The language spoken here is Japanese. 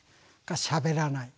「しゃべらない」。